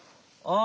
あ！